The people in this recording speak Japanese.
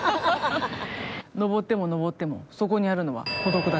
登っても登ってもそこにあるのは孤独だけ。